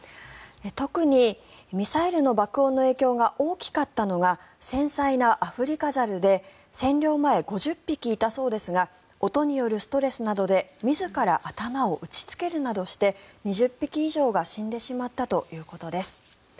特にミサイルの爆音の影響が大きかったのが繊細なアフリカザルで占領前は５０匹いたそうですが音によるストレスなどで自ら頭を打ちつけるなどして２０匹以上が死んでしまったということです。